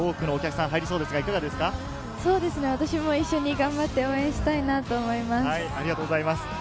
私も一緒に頑張って応援したいなと思います。